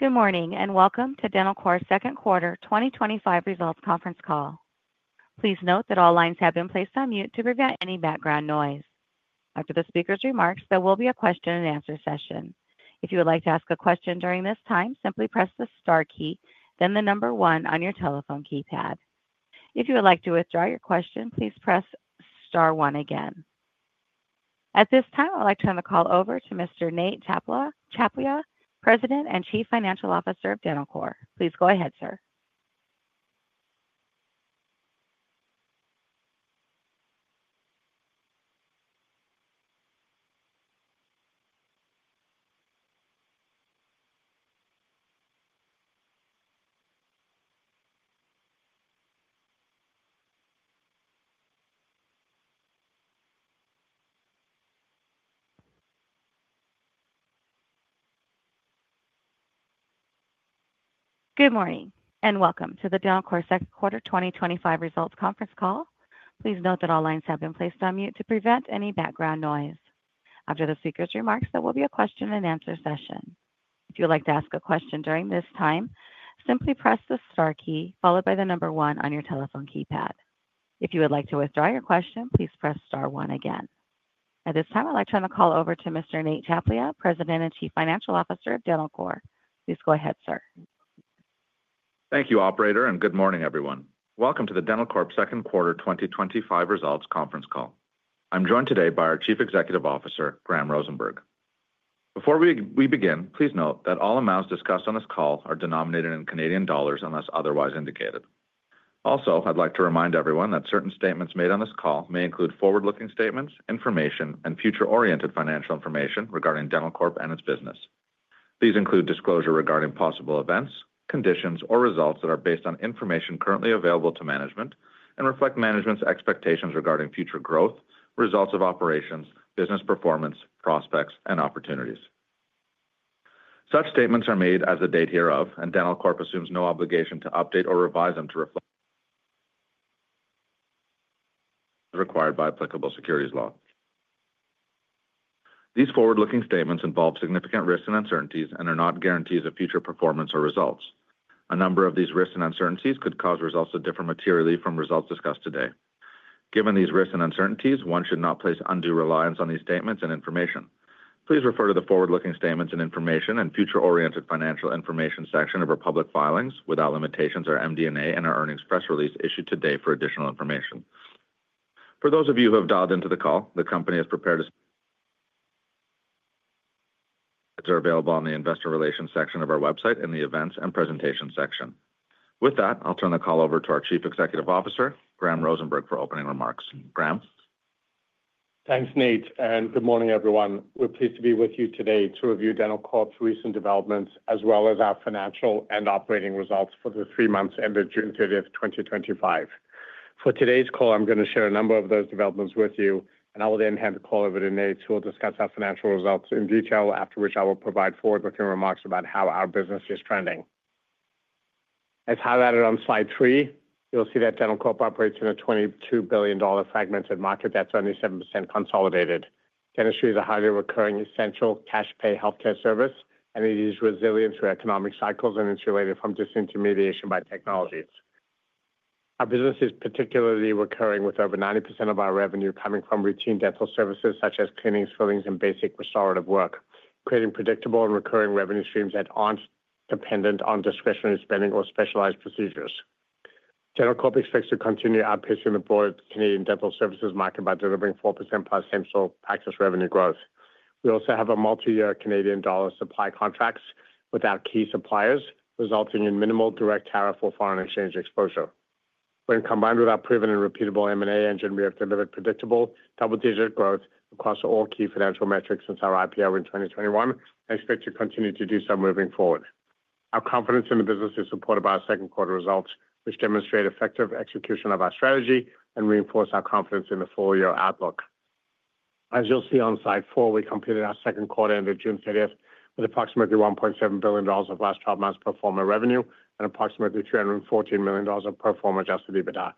Good morning and welcome to Dentalcorp's Second Quarter 2025 Results Conference Call. Please note that all lines have been placed on mute to prevent any background noise. After the speaker's remarks, there will be a question-and-answer session. If you would like to ask a question during this time, simply press the star key, then the number one on your telephone keypad. If you would like to withdraw your question, please press Star, one again. At this time, I'd like to turn the call over to Mr. Nate Tchaplia, President and Chief Financial Officer of Dentalcorp. Please go ahead, sir. Good morning and welcome to Dentalcorp's Second Quarter 2025 Results Conference Call. Please note that all lines have been placed on mute to prevent any background noise. After the speaker's remarks, there will be a question-and-answer session. If you would like to ask a question during this time, simply press the Star key, followed by the number one on your telephone keypad. If you would like to withdraw your question, please press Star, one again. At this time, I'd like to turn the call over to Mr. Nate Tchaplia, President and Chief Financial Officer of Dentalcorp. Please go ahead, sir. Thank you, operator, and good morning, everyone. Welcome to Dentalcorp's Second Quarter 2025 Results Conference Call. I'm joined today by our Chief Executive Officer, Graham Rosenberg. Before we begin, please note that all amounts discussed on this call are denominated in Canadian dollars unless otherwise indicated. Also, I'd like to remind everyone that certain statements made on this call may include forward-looking statements, information, and future-oriented financial information regarding Dentalcorp and its business. These include disclosure regarding possible events, conditions, or results that are based on information currently available to management and reflect management's expectations regarding future growth, results of operations, business performance, prospects, and opportunities. Such statements are made as of the date hereof, and Dentalcorp assumes no obligation to update or revise them to reflect the required by applicable securities law. These forward-looking statements involve significant risks and uncertainties and are not guarantees of future performance or results. A number of these risks and uncertainties could cause results to differ materially from results discussed today. Given these risks and uncertainties, one should not place undue reliance on these statements and information. Please refer to the forward-looking statements and information and future-oriented financial information section of our public filings without limitations or MD&A in our earnings press release issued today for additional information. For those of you who have dialed into the call, the company has prepared a survey that is available on the investor relations section of our website in the events and presentations section. With that, I'll turn the call over to our Chief Executive Officer, Graham Rosenberg, for opening remarks. Graham? Thanks, Nate, and good morning, everyone. We're pleased to be with you today to review Dentalcorp's recent developments, as well as our financial and operating results for the three months ended June 30th, 2025. For today's call, I'm going to share a number of those developments with you, and I will then hand the call over to Nate, who will discuss our financial results in detail, after which I will provide forward-looking remarks about how our business is trending. As highlighted on slide three, you'll see that Dentalcorp operates in a $22 billion fragmented market that's only 7% consolidated. Dentistry is a highly recurring essential cash pay healthcare service, and it is resilient to economic cycles and insulated from disintermediation by technologies. Our business is particularly recurring, with over 90% of our revenue coming from routine dental services such as cleanings, fillings, and basic restorative work, creating predictable and recurring revenue streams that aren't dependent on discretionary spending or specialized procedures. Dentalcorp expects to continue outpacing the broad Canadian dental services market by delivering 4%+ same practice revenue growth. We also have multi-year Canadian dollar supply contracts with our key suppliers, resulting in minimal direct tariff or foreign exchange exposure. When combined with our proven and repeatable M&A engine, we have delivered predictable double-digit growth across all key financial metrics since our IPO in 2021 and expect to continue to do so moving forward. Our confidence in the business is supported by our second quarter results, which demonstrate effective execution of our strategy and reinforce our confidence in the full-year outlook. As you'll see on slide four, we completed our second quarter ended June 30th with approximately $1.7 billion of last 12 months' pro forma revenue and approximately $314 million of pro forma adjusted EBITDA.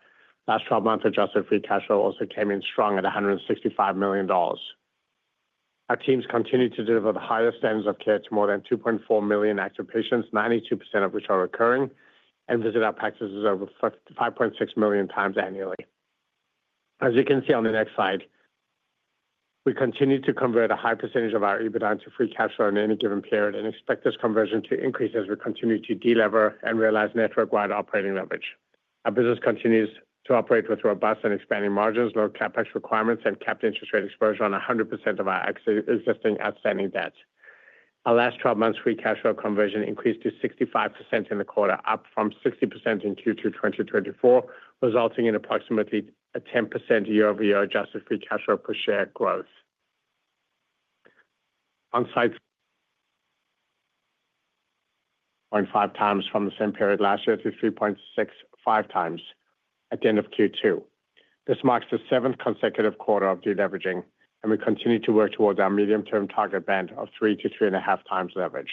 Last 12 months' adjusted free cash flow also came in strong at $165 million. Our teams continue to deliver the highest ends of care to more than 2.4 million active patients, 92% of which are recurring, and visit our practices over 5.6x million annually. As you can see on the next slide, we continue to convert a high percentage of our EBITDA to free cash flow in any given period and expect this conversion to increase as we continue to deliver and realize network-wide operating leverage. Our business continues to operate with robust and expanding margins, low CapEx requirements, and capped interest rate exposure on 100% of our existing outstanding debt. Our last 12 months' free cash flow conversion increased to 65% in the quarter, up from 60% in Q2 2024, resulting in approximately a 10% year-over-year adjusted free cash flow per share growth. On slide four, we increased our EBITDA by 2.5x from the same period last year to 3.65x at the end of Q2. This marks the seventh consecutive quarter of deleveraging, and we continue to work towards our medium-term target band of 3x-3.5x leverage.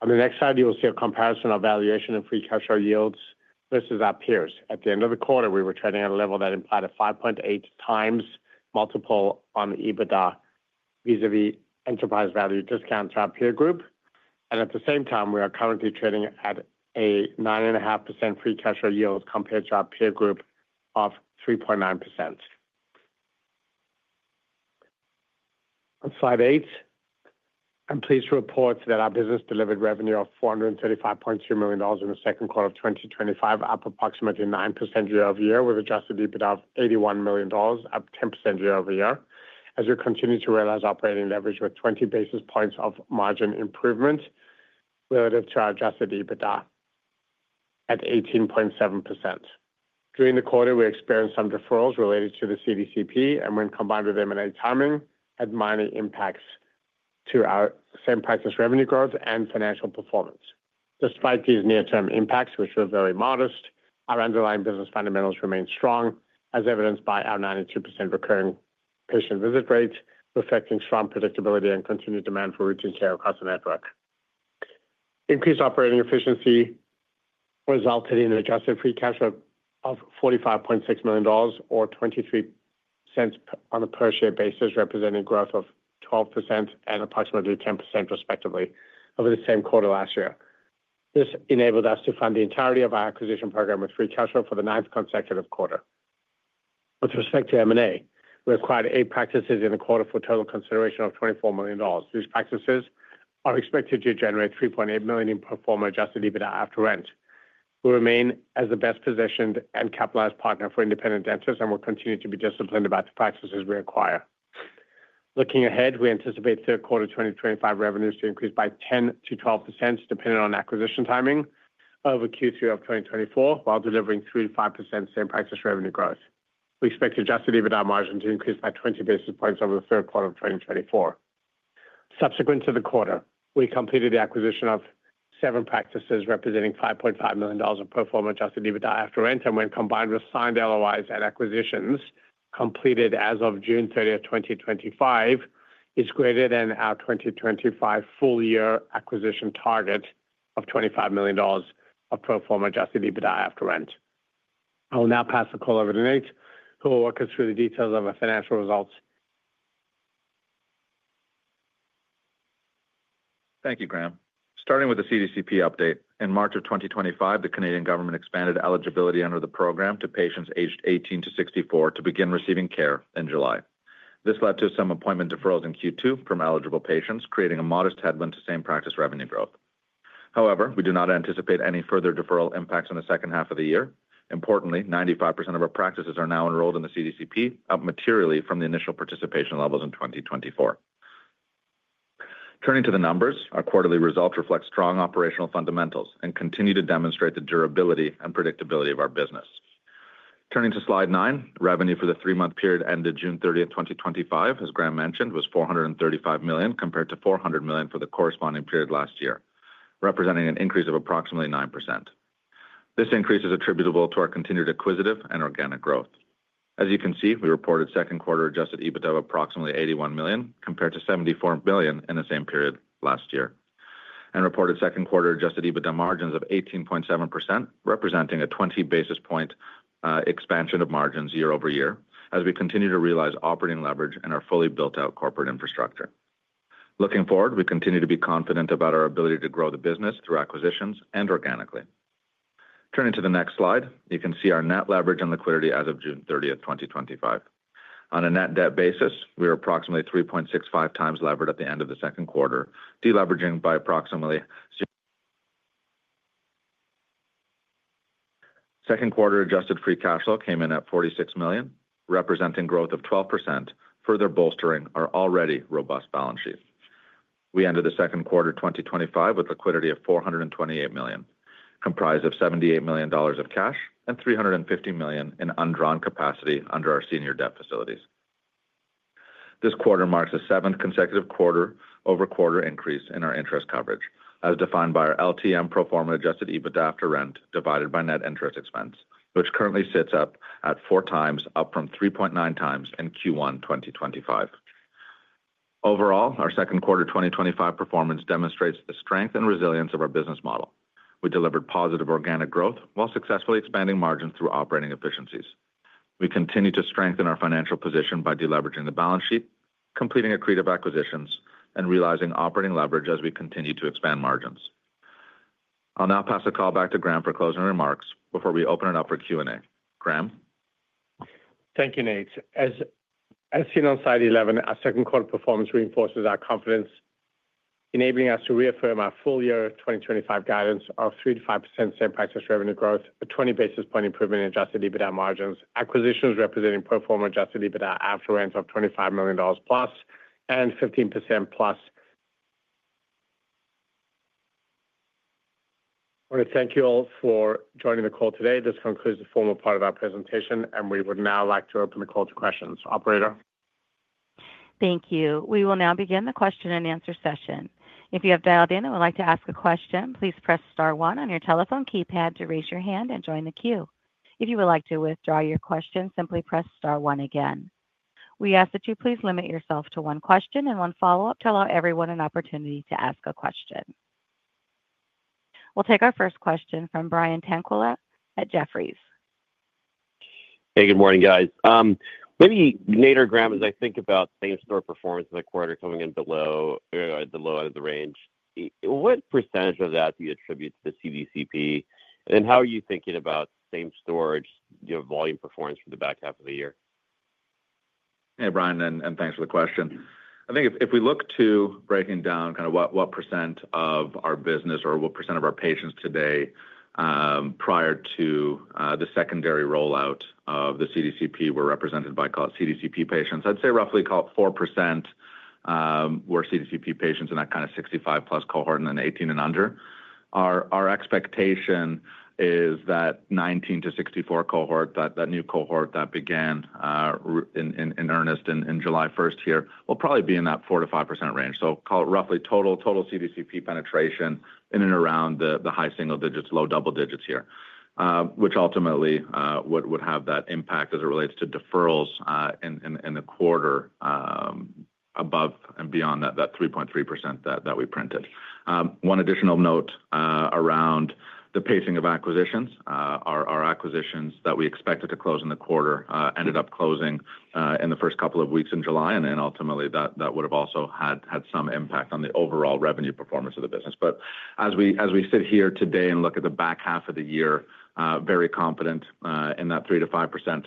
On the next slide, you will see a comparison of valuation and free cash flow yields versus our peers. At the end of the quarter, we were trading at a level that implied a 5.8x multiple on EBITDA vis-à-vis enterprise value discounts for our peer group. At the same time, we are currently trading at a 9.5% free cash flow yield compared to our peer group of 3.9%. On slide eight, I'm pleased to report that our business delivered revenue of $435.2 million in the second quarter of 2025, up approximately 9% year-over-year with adjusted EBITDA of $81 million, up 10% year-over-year. As we continue to realize operating leverage with 20 basis points of margin improvement relative to our adjusted EBITDA at 18.7%. During the quarter, we experienced some deferrals related to the CDCP, and when combined with M&A timing, had minor impacts to our same practice revenue growth and financial performance. Despite these near-term impacts, which were very modest, our underlying business fundamentals remained strong, as evidenced by our 92% recurring patient visit rate, reflecting strong predictability and continued demand for routine care across the network. Increased operating efficiency resulted in an adjusted free cash flow of $45.6 million or $0.23 on a per share basis, representing growth of 12% and approximately 10% respectively over the same quarter last year. This enabled us to fund the entirety of our acquisition program with free cash flow for the ninth consecutive quarter. With respect to M&A, we acquired eight practices in a quarter for a total consideration of $24 million. These practices are expected to generate $3.8 million in pro forma adjusted EBITDA after rent. We remain as the best positioned and capitalized partner for independent dentists and will continue to be disciplined about the practices we acquire. Looking ahead, we anticipate third quarter 2025 revenues to increase by 10%-12% dependent on acquisition timing over Q3 of 2024, while delivering 3%-5% same practice revenue growth. We expect adjusted EBITDA margin to increase by 20 basis points over the third quarter of 2024. Subsequent to the quarter, we completed the acquisition of seven practices representing $5.5 million of pro forma adjusted EBITDA after rent, and when combined with signed letters of intent and acquisitions completed as of June 30th, 2025, is greater than our 2025 full-year acquisition target of $25 million of pro forma adjusted EBITDA after rent. I will now pass the call over to Nate, who will walk us through the details of our financial results. Thank you, Graham. Starting with the CDCP update, in March of 2025, the Canadian government expanded eligibility under the program to patients aged 18-64 to begin receiving care in July. This led to some appointment deferrals in Q2 from eligible patients, creating a modest headwind to same practice revenue growth. However, we do not anticipate any further deferral impacts in the second half of the year. Importantly, 95% of our practices are now enrolled in the CDCP, up materially from the initial participation levels in 2024. Turning to the numbers, our quarterly results reflect strong operational fundamentals and continue to demonstrate the durability and predictability of our business. Turning to slide nine, revenue for the three-month period ended June 30th, 2025, as Graham mentioned, was $435 million compared to $400 million for the corresponding period last year, representing an increase of approximately 9%. This increase is attributable to our continued acquisitive and organic growth. As you can see, we reported second quarter adjusted EBITDA of approximately $81 million compared to $74 million in the same period last year, and reported second quarter adjusted EBITDA margins of 18.7%, representing a 20 basis point expansion of margins year over year as we continue to realize operating leverage and our fully built-out corporate infrastructure. Looking forward, we continue to be confident about our ability to grow the business through acquisitions and organically. Turning to the next slide, you can see our net leverage and liquidity as of June 30th, 2025. On a net debt basis, we were approximately 3.65x levered at the end of the second quarter, deleveraging by approximately 6%. Second quarter adjusted free cash flow came in at $46 million, representing growth of 12%, further bolstering our already robust balance sheet. We ended the second quarter 2025 with liquidity of $428 million, comprised of $78 million of cash and $350 million in undrawn capacity under our senior debt facilities. This quarter marks a seventh consecutive quarter over quarter increase in our interest coverage, as defined by our LTM pro forma adjusted EBITDA after rent divided by net interest expense, which currently sits up at four times, up from 3.9x in Q1 2025. Overall, our second quarter 2025 performance demonstrates the strength and resilience of our business model. We delivered positive organic growth while successfully expanding margins through operating efficiencies. We continue to strengthen our financial position by deleveraging the balance sheet, completing accretive acquisitions, and realizing operating leverage as we continue to expand margins. I'll now pass the call back to Graham for closing remarks before we open it up for Q&A. Graham? Thank you, Nate. As seen on slide 11, our second quarter performance reinforces our confidence, enabling us to reaffirm our full-year 2025 guidance of 3%-5% same practice revenue growth, a 20 basis point improvement in adjusted EBITDA margins, acquisitions representing pro forma adjusted EBITDA after rent of $25 million+ and 15%+. I want to thank you all for joining the call today. This concludes the formal part of our presentation, and we would now like to open the call to questions. Operator? Thank you. We will now begin the question-and-answer session. If you have dialed in and would like to ask a question, please press Star, one on your telephone keypad to raise your hand and join the queue. If you would like to withdraw your question, simply press Star, one again. We ask that you please limit yourself to one question and, when following up, allow everyone an opportunity to ask a question. We'll take our first question from Brian Tanquilut at Jefferies. Hey, good morning, guys. Maybe Nate or Graham, as I think about same practice performance in the quarter coming in below, you know, below out of the range, what percentage of that do you attribute to the CDCP? How are you thinking about same practice, you know, volume performance for the back half of the year? Hey, Brian, and thanks for the question. I think if we look to breaking down kind of what percent of our business or what percent of our patients today, prior to the secondary rollout of the CDCP, were represented by CDCP patients, I'd say roughly call it 4% were CDCP patients in that kind of 65+ cohort and then 18 and under. Our expectation is that 19-64 cohort, that new cohort that began in earnest on July 1 here, will probably be in that 4%-5% range. Call it roughly total CDCP penetration in and around the high single digits, low double digits here, which ultimately would have that impact as it relates to deferrals in the quarter above and beyond that 3.3% that we printed. One additional note around the pacing of acquisitions. Our acquisitions that we expected to close in the quarter ended up closing in the first couple of weeks in July, and ultimately that would have also had some impact on the overall revenue performance of the business. As we sit here today and look at the back half of the year, very confident in that 3%-5%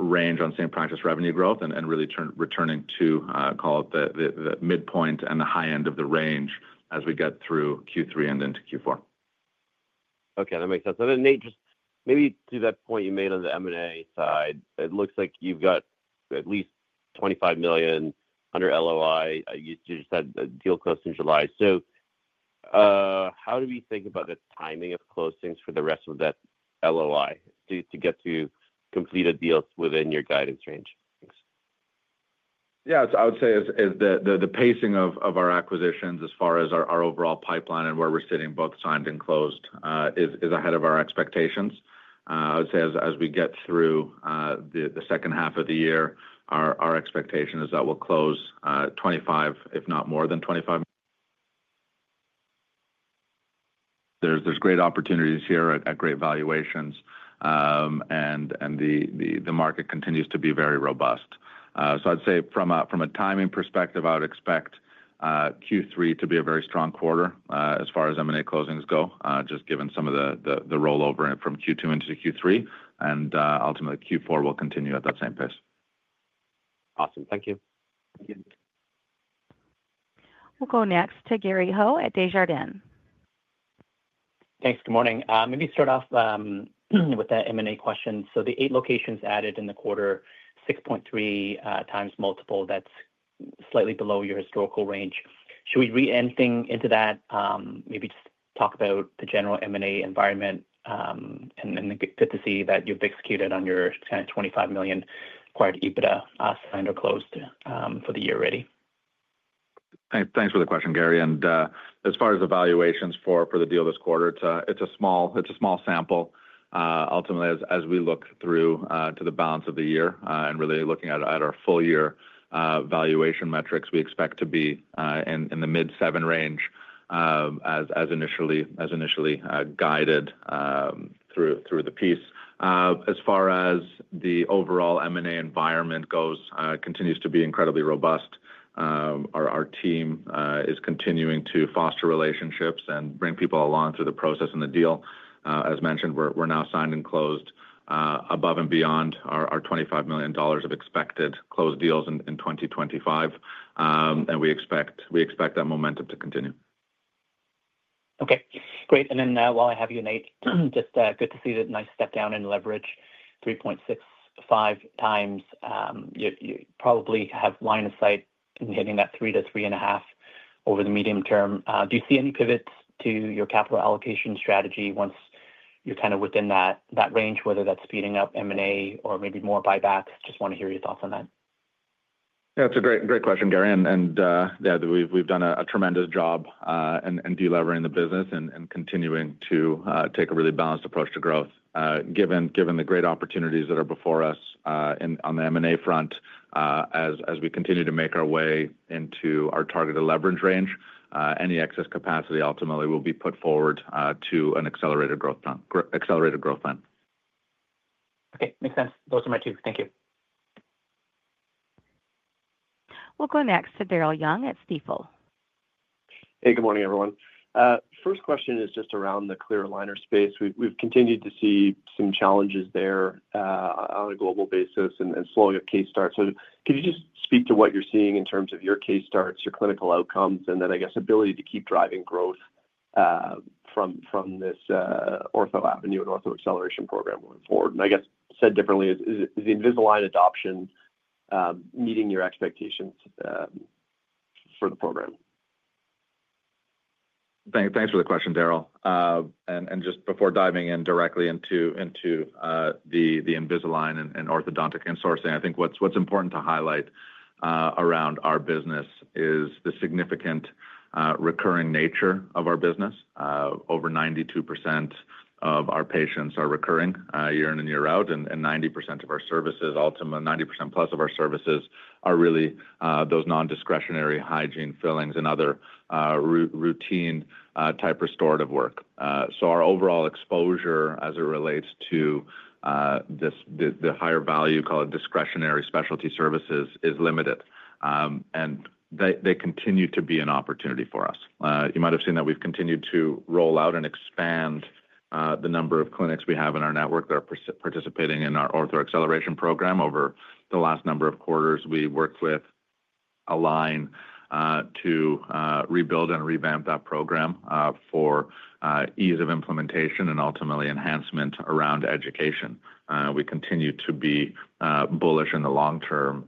range on same practice revenue growth and really returning to call it the midpoint and the high end of the range as we get through Q3 and into Q4. Okay, that makes sense. Nate, just maybe to that point you made on the M&A side, it looks like you've got at least $25 million under letters of intent. You just had a deal closed in July. How do we think about this timing of closings for the rest of that letters of intent to get to complete a deal within your guidance range? I would say the pacing of our acquisitions as far as our overall pipeline and where we're sitting both signed and closed is ahead of our expectations. As we get through the second half of the year, our expectation is that we'll close $25 million, if not more than $25 million. There are great opportunities here at great valuations, and the market continues to be very robust. From a timing perspective, I would expect Q3 to be a very strong quarter as far as M&A closings go, just given some of the rollover from Q2 into Q3, and ultimately Q4 will continue at that same pace. Awesome, thank you. We'll go next to Gary Ho at Desjardins. Thanks, good morning. Maybe start off with that M&A question. The eight locations added in the quarter, 6.3x multiple, that's slightly below your historical range. Should we read anything into that? Maybe just talk about the general M&A environment and good to see that you've executed on your kind of $25 million acquired EBITDA signed or closed for the year already. Thanks for the question, Gary. As far as evaluations for the deal this quarter, it's a small sample. Ultimately, as we look through to the balance of the year and really looking at our full-year valuation metrics, we expect to be in the mid-seven range as initially guided through the piece. As far as the overall M&A environment goes, it continues to be incredibly robust. Our team is continuing to foster relationships and bring people along through the process and the deal. As mentioned, we're now signed and closed above and beyond our $25 million of expected closed deals in 2025. We expect that momentum to continue. Okay, great. While I have you, Nate, just good to see the nice step down in leverage, 3.65x.. You probably have line of sight in hitting that 3-3.5 over the medium term. Do you see any pivots to your capital allocation strategy once you're kind of within that range, whether that's speeding up M&A or maybe more buybacks? Just want to hear your thoughts on that. Yeah, it's a great question, Gary. We've done a tremendous job in deleveraging the business and continuing to take a really balanced approach to growth. Given the great opportunities that are before us on the M&A front, as we continue to make our way into our targeted leverage range, any excess capacity ultimately will be put forward to an accelerated growth lens. Okay, makes sense. Those are my two. Thank you. We'll go next to Daryl Young at Stifel. Hey, good morning, everyone. First question is just around the clear aligner space. We've continued to see some challenges there on a global basis and slowing of case starts. Could you just speak to what you're seeing in terms of your case starts, your clinical outcomes, and then I guess ability to keep driving growth from this ortho avenue and Ortho Acceleration Program going forward? I guess said differently, is the Invisalign adoption meeting your expectations for the program? Thanks for the question, Daryl. Just before diving directly into the Invisalign and orthodontic insourcing, I think what's important to highlight around our business is the significant recurring nature of our business. Over 92% of our patients are recurring year in and year out, and 90% of our services, ultimately 90%+ of our services, are really those non-discretionary hygiene, fillings, and other routine type restorative work. Our overall exposure as it relates to the higher value, call it discretionary specialty services, is limited. They continue to be an opportunity for us. You might have seen that we've continued to roll out and expand the number of clinics we have in our network that are participating in our Ortho Acceleration Program. Over the last number of quarters, we worked with Align to rebuild and revamp that program for ease of implementation and ultimately enhancement around education. We continue to be bullish in the long term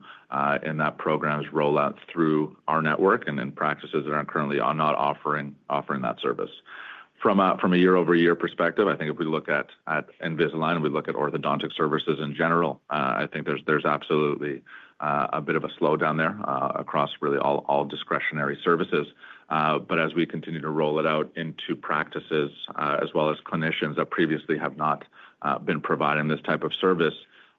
in that program's rollout through our network and in practices that are currently not offering that service. From a year-over-year perspective, if we look at Invisalign and we look at orthodontic services in general, there's absolutely a bit of a slowdown there across really all discretionary services. As we continue to roll it out into practices as well as clinicians that previously have not been providing this type of service,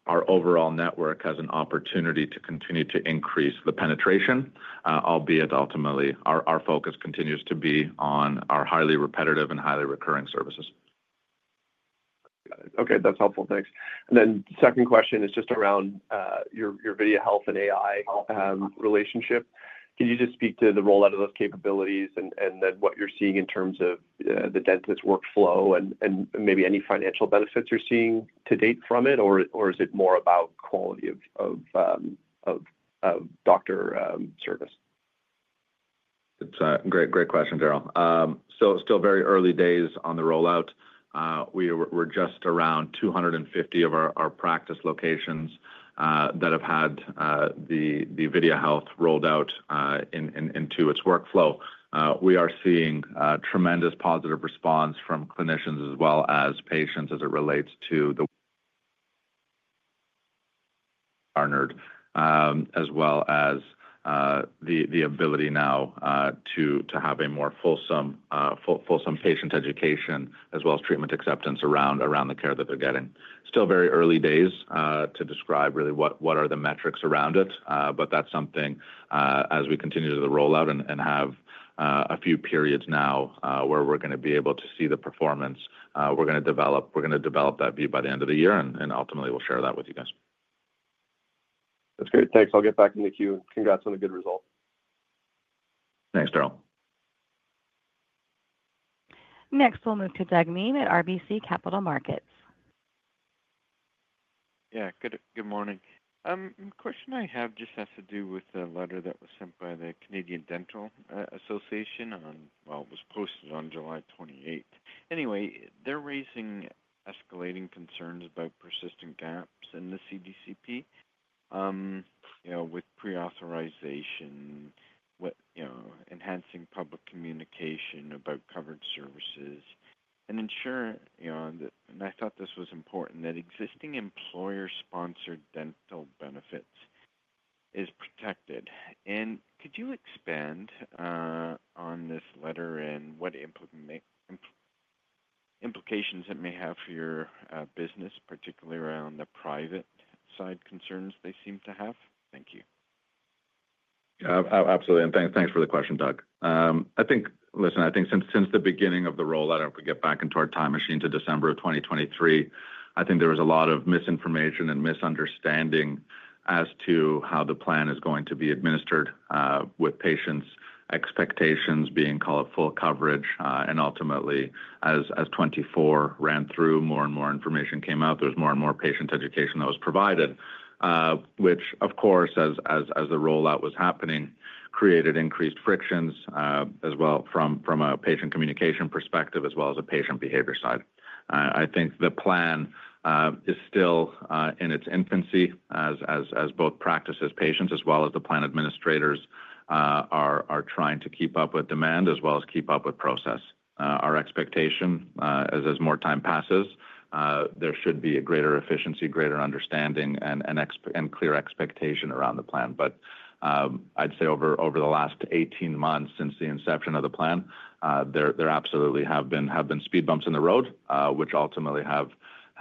our overall network has an opportunity to continue to increase the penetration, albeit ultimately our focus continues to be on our highly repetitive and highly recurring services. Okay, that's helpful. Thanks. The second question is just around your VideaHealth and AI relationship. Can you just speak to the rollout of those capabilities and what you're seeing in terms of the dentist workflow and maybe any financial benefits you're seeing to date from it, or is it more about quality of doctor service? It's a great question, Daryl. It's still very early days on the rollout. We're just around 250 of our practice locations that have had the VideaHealth rolled out into its workflow. We are seeing tremendous positive response from clinicians as well as patients as it relates to the clinical environment, as well as the ability now to have a more fulsome patient education as well as treatment acceptance around the care that they're getting. It's still very early days to describe really what are the metrics around it, but that's something as we continue the rollout and have a few periods now where we're going to be able to see the performance, we're going to develop that view by the end of the year, and ultimately we'll share that with you guys. That's great. Thanks. I'll get back in the queue. Congrats on the good result. Thanks, Daryl. Next, we'll move to Doug Miehm at RBC Capital Markets. Good morning. The question I have just has to do with a letter that was sent by the Canadian Dental Association, it was posted on July 28. They're raising escalating concerns about persistent gaps in the CDCP, with pre-authorization, enhancing public communication about coverage services. I thought this was important that existing employer-sponsored dental benefits are protected. Could you expand on this letter and what implications it may have for your business, particularly around the private side concerns they seem to have? Thank you. Absolutely. Thanks for the question, Doug. I think since the beginning of the rollout, if we get back into our time machine to December of 2023, there was a lot of misinformation and misunderstanding as to how the plan is going to be administered with patients' expectations being called full coverage. Ultimately, as 2024 ran through, more and more information came out. There was more and more patient education that was provided, which, of course, as the rollout was happening, created increased frictions from a patient communication perspective as well as a patient behavior side. I think the plan is still in its infancy as both practices' patients as well as the plan administrators are trying to keep up with demand as well as keep up with process. Our expectation is as more time passes, there should be greater efficiency, greater understanding, and clear expectation around the plan. Over the last 18 months since the inception of the plan, there absolutely have been speed bumps in the road, which ultimately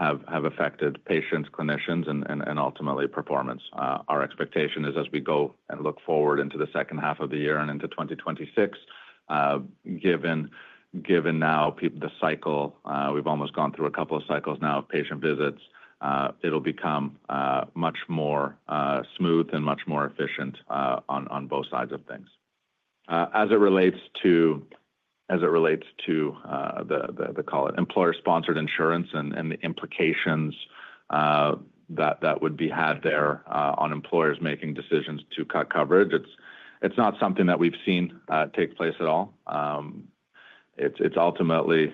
have affected patients, clinicians, and ultimately performance. Our expectation is as we go and look forward into the second half of the year and into 2026, given now the cycle, we've almost gone through a couple of cycles now of patient visits, it'll become much more smooth and much more efficient on both sides of things. As it relates to employer-sponsored insurance and the implications that would be had there on employers making decisions to cut coverage, it's not something that we've seen take place at all. Ultimately,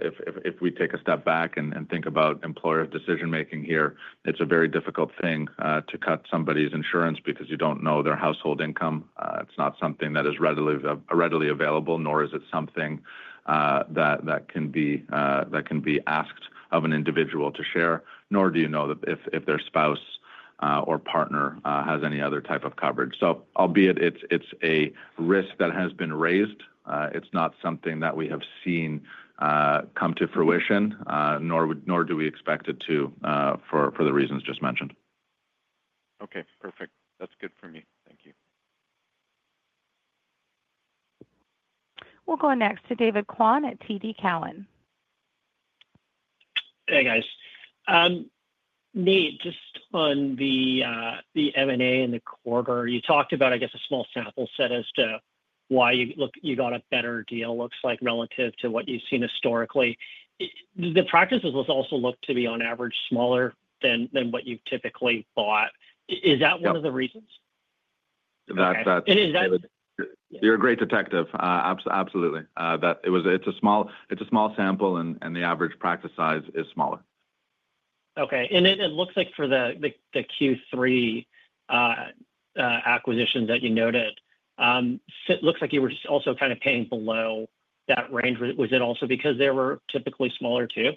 if we take a step back and think about employer decision-making here, it's a very difficult thing to cut somebody's insurance because you don't know their household income. It's not something that is readily available, nor is it something that can be asked of an individual to share, nor do you know if their spouse or partner has any other type of coverage. Albeit it's a risk that has been raised, it's not something that we have seen come to fruition, nor do we expect it to for the reasons just mentioned. Okay, perfect. That's good for me. Thank you. We'll go next to David Kwan at TD Cowen. Hey guys. Nate, just on the M&A in the quarter, you talked about, I guess, a small sample set as to why you got a better deal, looks like, relative to what you've seen historically. The practices also look to be, on average, smaller than what you typically bought. Is that one of the reasons? You're a great detective. Absolutely. It's a small sample, and the average practice size is smaller. Okay. It looks like for the Q3 acquisitions that you noted, it looks like you were also kind of paying below that range. Was it also because they were typically smaller too?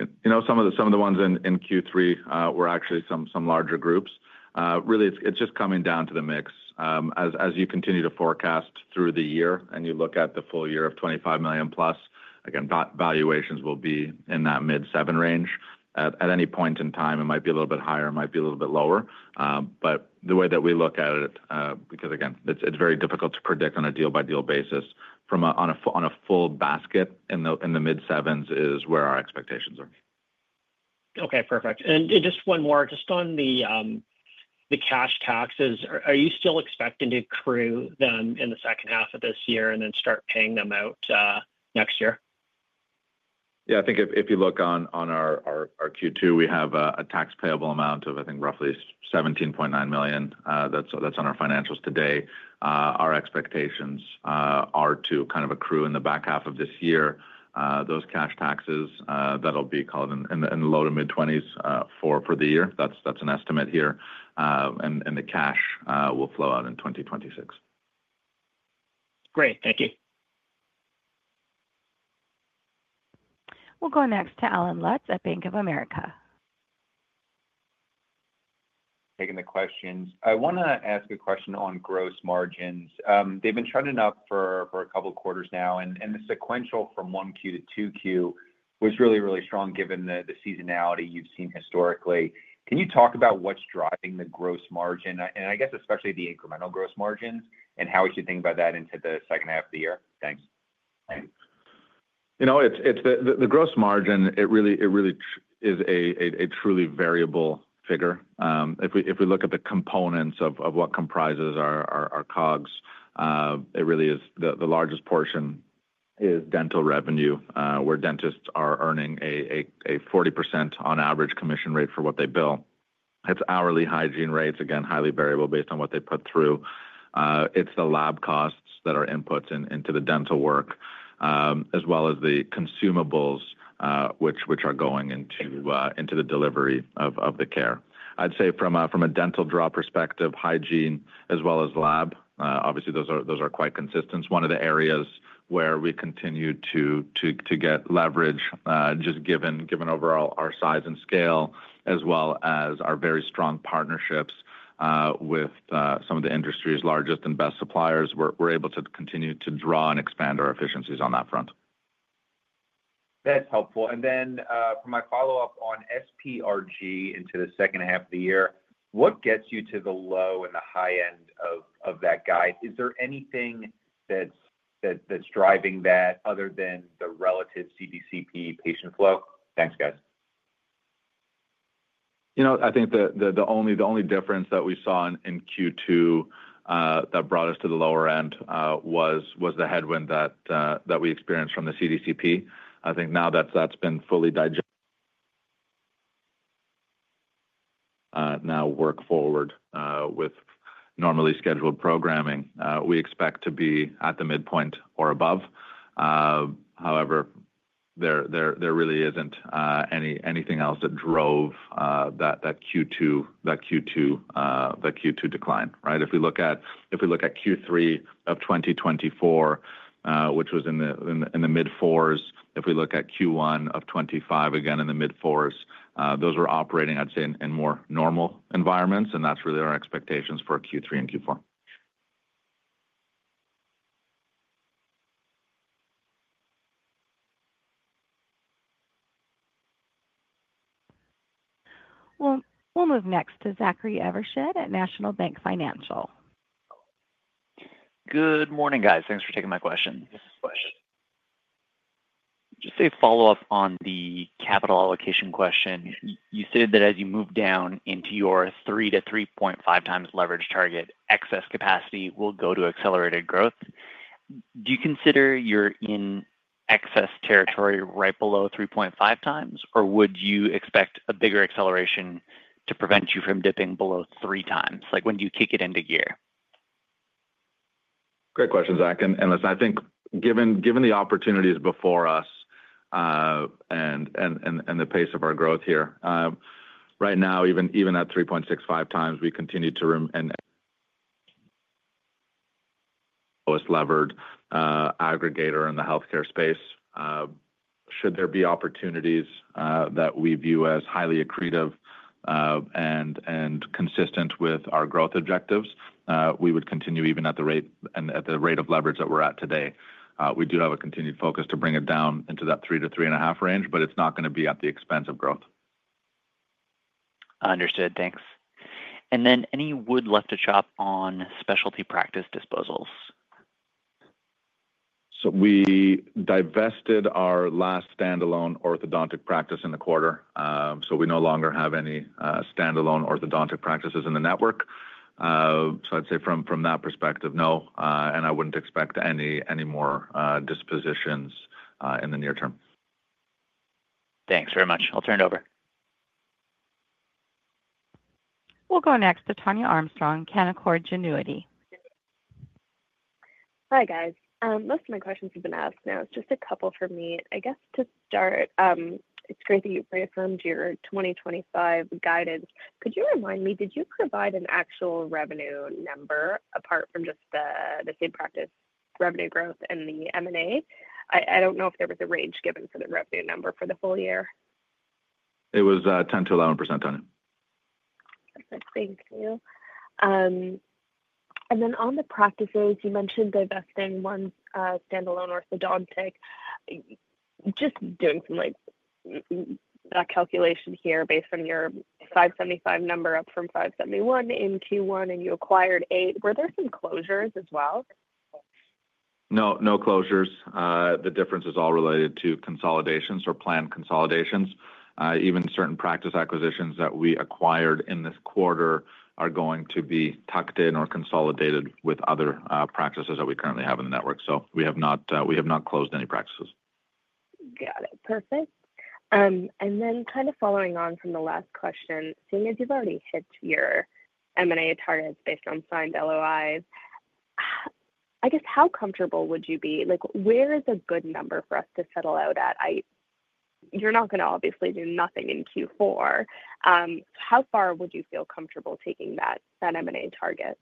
Some of the ones in Q3 were actually some larger groups. Really, it's just coming down to the mix. As you continue to forecast through the year and you look at the full year of $25 million+, again, valuations will be in that mid-seven range. At any point in time, it might be a little bit higher, it might be a little bit lower. The way that we look at it, because again, it's very difficult to predict on a deal-by-deal basis, on a full basket in the mid-sevens is where our expectations are. Okay, perfect. Just one more, just on the cash taxes, are you still expecting to accrue them in the second half of this year and then start paying them out next year? Yeah, I think if you look on our Q2, we have a tax payable amount of, I think, roughly $17.9 million that's on our financials today. Our expectations are to kind of accrue in the back half of this year. Those cash taxes, that'll be called in the low to mid-$20 million for the year. That's an estimate here, and the cash will flow out in 2026. Great, thank you. We'll go next to Allen Lutz at Bank of America. Taking the questions, I want to ask a question on gross margins. They've been shooting up for a couple of quarters now, and the sequential from 1Q to 2Q was really, really strong given the seasonality you've seen historically. Can you talk about what's driving the gross margin? I guess especially the incremental gross margins and how we should think about that into the second half of the year. Thanks. You know, it's the gross margin. It really is a truly variable figure. If we look at the components of what comprises our COGS, it really is the largest portion is dental revenue, where dentists are earning a 40% on average commission rate for what they bill. It's hourly hygiene rates, again, highly variable based on what they put through. It's the lab costs that are inputs into the dental work, as well as the consumables which are going into the delivery of the care. I'd say from a dental draw perspective, hygiene as well as lab, obviously those are quite consistent. One of the areas where we continue to get leverage, just given overall our size and scale, as well as our very strong partnerships with some of the industry's largest and best suppliers, we're able to continue to draw and expand our efficiencies on that front. That's helpful. For my follow-up on SPRG into the second half of the year, what gets you to the low and the high end of that guide? Is there anything that's driving that other than the relative CDCP patient flow? Thanks, guys. I think the only difference that we saw in Q2 that brought us to the lower end was the headwind that we experienced from the CDCP. I think now that's been fully digested. Now work forward with normally scheduled programming. We expect to be at the midpoint or above. However, there really isn't anything else that drove that Q2 decline, right? If we look at Q3 of 2024, which was in the mid-fours, if we look at Q1 of 2025 again in the mid-fours, those were operating, I'd say, in more normal environments, and that's really our expectations for Q3 and Q4. We'll move next to Zachary Evershed at National Bank Financial. Good morning, guys. Thanks for taking my question. Just a follow-up on the capital allocation question. You stated that as you move down into your three to 3.5x leverage target, excess capacity will go to accelerated growth. Do you consider you're in excess territory right below 3.5x, or would you expect a bigger acceleration to prevent you from dipping below 3x? Like, when do you kick it into gear? Great question, Zach. I think given the opportunities before us and the pace of our growth here, right now, even at 3.65x, we continue to be the lowest levered aggregator in the healthcare space. Should there be opportunities that we view as highly accretive and consistent with our growth objectives, we would continue even at the rate and at the rate of leverage that we're at today. We do have a continued focus to bring it down into that three to three and a half range, but it's not going to be at the expense of growth. Understood. Thanks. Is there any wood left to chop on specialty practice disposals? We divested our last standalone orthodontic practice in the quarter. We no longer have any standalone orthodontic practices in the network. I'd say from that perspective, no, and I wouldn't expect any more dispositions in the near term. Thanks very much. I'll turn it over. We'll go next to Tania Armstrong, Canaccord Genuity. Hi guys. Most of my questions have been asked. Now it's just a couple for me. I guess to start, it's great that you reaffirmed your 2025 guidance. Could you remind me, did you provide an actual revenue number apart from just the same practice revenue growth and the M&A? I don't know if there was a range given for the revenue number for the full year. It was 10%-11%, Tania. Thank you. On the practices, you mentioned divesting one standalone orthodontic. Just doing some like that calculation here based on your 575 number, up from 571 in Q1, and you acquired eight. Were there some closures as well? No, no closures. The difference is all related to consolidations or planned consolidations. Even certain practice acquisitions that we acquired in this quarter are going to be tucked in or consolidated with other practices that we currently have in the network. We have not closed any practices. Got it. Perfect. Kind of following on from the last question, seeing as you've already hit your M&A targets based on signed letters of intent, I guess how comfortable would you be, like where is a good number for us to settle out at? You're not going to obviously do nothing in Q4. How far would you feel comfortable taking that M&A target?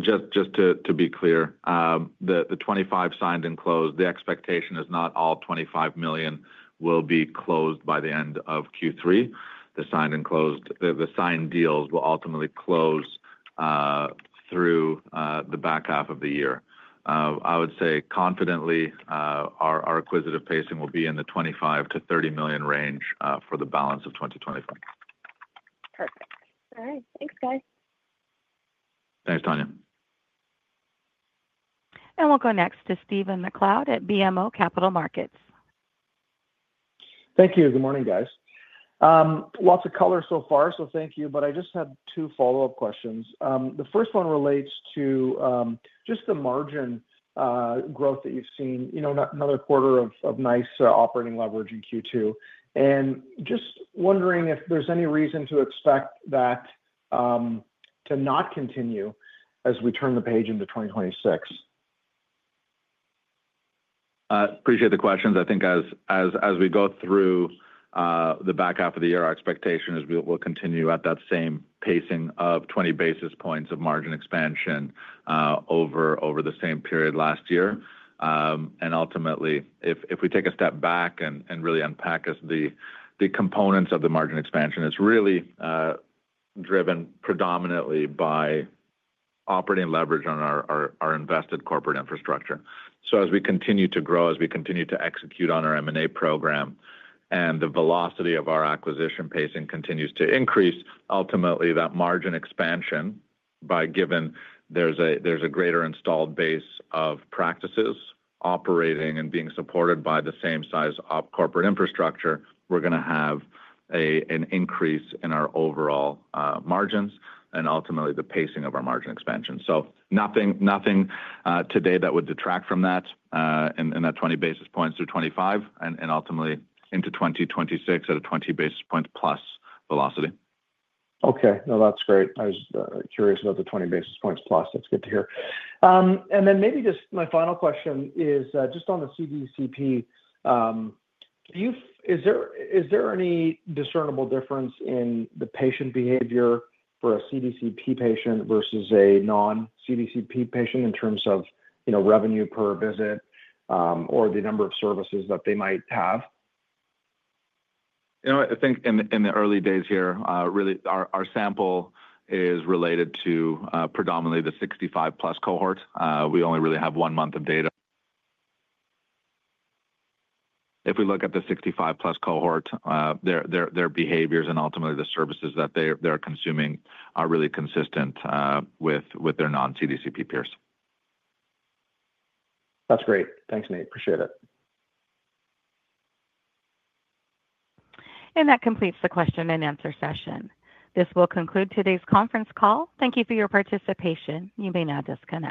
Just to be clear, the 25 signed and closed, the expectation is not all $25 million will be closed by the end of Q3. The signed and closed, the signed deals will ultimately close through the back half of the year. I would say confidently, our acquisitive pacing will be in the $25 million-$30 million range for the balance of 2025. Perfect. All right. Thanks, guys. Thanks, Tania. We'll go next to Stephen MacLeod at BMO Capital Markets. Thank you. Good morning, guys. It's a color so far, so thank you, but I just had two follow-up questions. The first one relates to just the margin growth that you've seen, you know, another quarter of nice operating leverage in Q2. I'm just wondering if there's any reason to expect that to not continue as we turn the page into 2026. I appreciate the questions. I think as we go through the back half of the year, our expectation is we'll continue at that same pacing of 20 basis points of margin expansion over the same period last year. Ultimately, if we take a step back and really unpack the components of the margin expansion, it's really driven predominantly by operating leverage on our invested corporate infrastructure. As we continue to grow, as we continue to execute on our M&A program, and the velocity of our acquisition pacing continues to increase, ultimately that margin expansion, given there's a greater installed base of practices operating and being supported by the same size of corporate infrastructure, we're going to have an increase in our overall margins and ultimately the pacing of our margin expansion. Nothing today would detract from that in that 20 basis points through 2025 and ultimately into 2026 at a 20 basis point plus velocity. Okay. No, that's great. I was curious about the 20 basis points plus. That's good to hear. Maybe just my final question is just on the CDCP. Is there any discernible difference in the patient behavior for a CDCP patient versus a non-CDCP patient in terms of revenue per visit or the number of services that they might have? I think in the early days here, really our sample is related to predominantly the 65+ cohort. We only really have one month of data. If we look at the 65+ cohort, their behaviors and ultimately the services that they're consuming are really consistent with their non-CDCP peers. That's great. Thanks, Nate. Appreciate it. That completes the question and answer session. This will conclude today's conference call. Thank you for your participation. You may now disconnect.